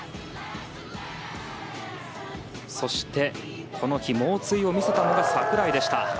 そして、この日猛追を見せたのが櫻井でした。